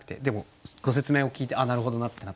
でもご説明を聞いてあっ